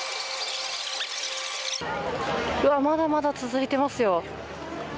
まだまだ続いていますよ。